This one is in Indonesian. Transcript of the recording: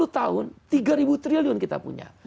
sepuluh tahun tiga ribu triliun kita punya